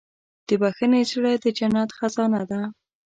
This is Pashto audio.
د بښنې زړه د جنت خزانه ده.